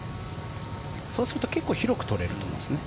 そうすると結構、広くとれるんですね。